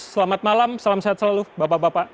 selamat malam salam sehat selalu bapak bapak